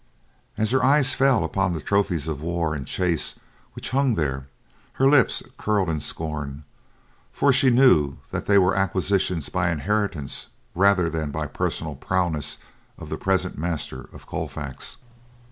As her eyes fell upon the trophies of war and chase which hung there her lips curled in scorn, for she knew that they were acquisitions by inheritance rather than by the personal prowess of the present master of Colfax.